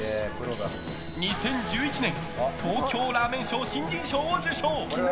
２０１１年東京ラーメンショー新人賞を獲得。